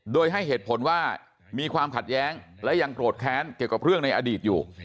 โดยให้เหตุผลว่ามีความขัดแย้งและยังโกรธแค้นเกี่ยวกับเรื่องในอดีตอยู่